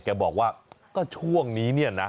แกบอกว่าก็ช่วงนี้เนี่ยนะ